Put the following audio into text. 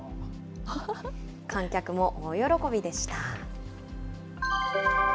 観客も大喜びでした。